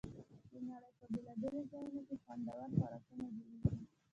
د نړۍ په بېلابېلو ځایونو کې خوندور خوراکونه جوړېږي.